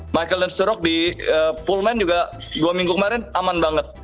michael n sturok di pullman juga dua minggu kemarin aman banget